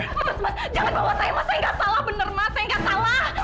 mas mas jangan bawa saya mas saya gak salah bener mas saya gak salah